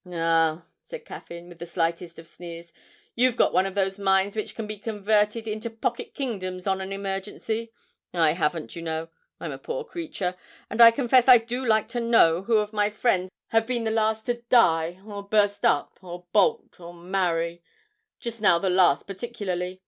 'Ah,' said Caffyn, with the slightest of sneers, 'you've got one of those minds which can be converted into pocket kingdoms on an emergency. I haven't, you know. I'm a poor creature, and I confess I do like to know who of my friends have been the last to die, or burst up, or bolt, or marry just now the last particularly.